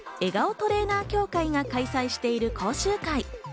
トレーナー協会が開催している講習会。